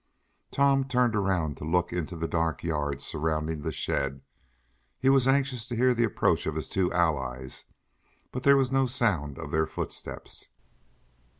Tom turned around to look into the dark yard surrounding the shed. He was anxious to hear the approach of his two allies, but there was no sound of their footsteps.